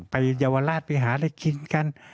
ไปเยาวราชไปหาได้กินกัน